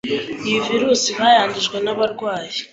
iyi virus bayandujwe nabarwayi